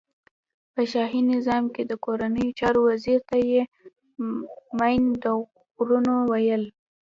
په شاهی نظام کی د کورنیو چارو وزیر ته یی مین د غرونو ویل.